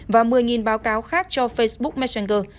và một mươi báo cáo khác cho facebook messenger